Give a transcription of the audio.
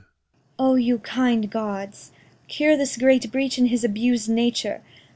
O you kind gods, Cure this great breach in his abused nature!